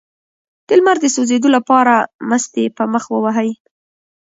د لمر د سوځیدو لپاره مستې په مخ ووهئ